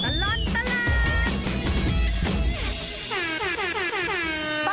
ช่วงตลอดตลาด